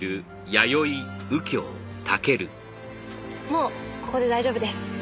もうここで大丈夫です。